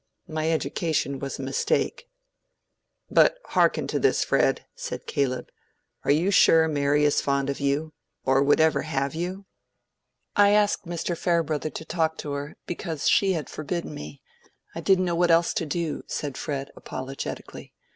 My education was a mistake." "But hearken to this, Fred," said Caleb. "Are you sure Mary is fond of you, or would ever have you?" "I asked Mr. Farebrother to talk to her, because she had forbidden me—I didn't know what else to do," said Fred, apologetically.